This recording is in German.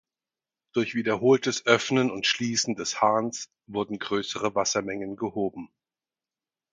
Durch wiederholtes Öffnen und Schließen des Hahns wurden größere Wassermengen gehoben.